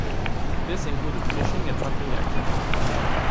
This included fishing and hunting action.